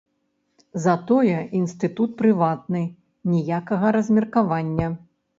Затое інстытут прыватны, ніякага размеркавання!